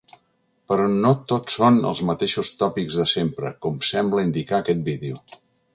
Però no tot són els mateixos tòpics de sempre, com sembla indicar aquest vídeo.